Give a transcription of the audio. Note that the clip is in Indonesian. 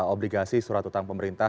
obligasi surat utang pemerintah